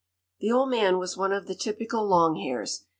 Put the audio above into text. The old man was one of the typical "long hairs."